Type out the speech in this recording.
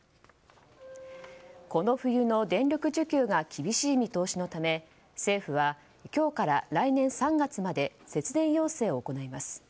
この冬の電力需給が厳しい見通しのため政府は、今日から来年３月まで節電要請を行います。